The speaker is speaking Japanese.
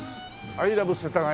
「アイラブ世田谷」